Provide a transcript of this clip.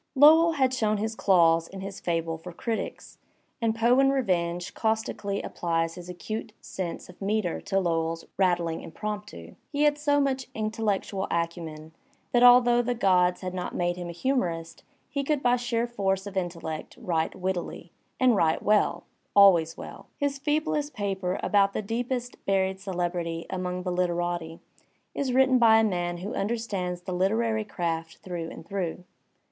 Lowell had shown his daws in his "Fable for ^Critics," and Poe in revenge caustically applies his acute sense of metre to Lowell's rattling impromptu. He had so Digitized by Google POE 149 much intellectual acumen that, although the gods had not made him a humourist, he could by sheer force of intellect write wittily — and write well, always well. His feeblest paper about the deepest buried celebrity among the "literati" is written by a man who understands the literary craft through and through.